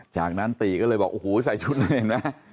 จากนั้นตีก็เลยบอกโอ้โหใส่ชุดแล้วเห็นไหม